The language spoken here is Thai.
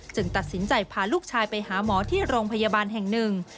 ตัดสินใจพาลูกชายไปหาหมอที่โรงพยาบาลแห่งหนึ่ง